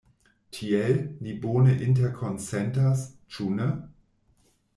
Tiel, ni bone interkonsentas, ĉu ne?